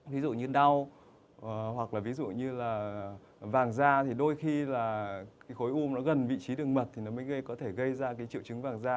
ví dụ như đau hoặc là ví dụ như là vàng da thì đôi khi là cái khối u nó gần vị trí đường mật thì nó mới có thể gây ra cái triệu chứng vàng da